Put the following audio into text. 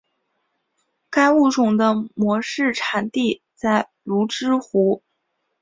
该物种的模式产地在芦之湖。